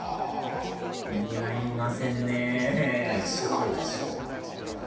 似合いませんねぇ別世界ですよ。